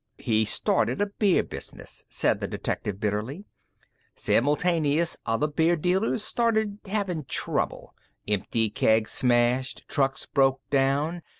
"He started a beer business," said the detective bitterly. "Simultaneous other beer dealers started havin' trouble. Empty kegs smashed. Trucks broke down.